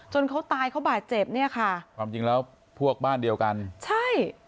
เขาตายเขาบาดเจ็บเนี่ยค่ะความจริงแล้วพวกบ้านเดียวกันใช่